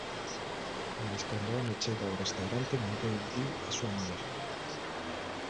Mais cando o home chega ó restaurante ninguén viu á súa muller.